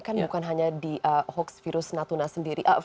kan bukan hanya di hoax virus natuna sendiri